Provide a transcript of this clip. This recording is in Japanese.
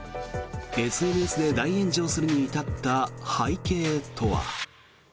ＳＮＳで大炎上するに至った背景とは。